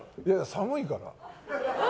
寒いから。